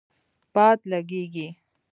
باد لږیږی